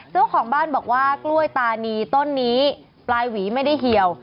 เจ้าของบ้านบอกว่ากล้วยตานีต้นนี้ปลายหวีไม่ได้เหี่ยว